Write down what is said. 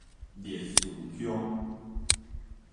烈嶼鄉